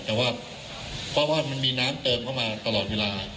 แต่ว่าเพราะว่ามันมีน้ำเติมเข้ามาตลอดเวลา